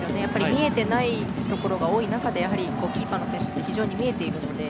見えていないところが多い中で、キーパーの選手は見えているので。